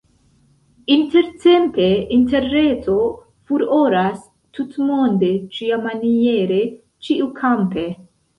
Intertempe Interreto furoras tutmonde, ĉiamaniere, ĉiukampe.